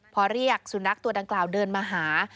พอเรียกสุนัขตัวดังกล่าวเดินมาหา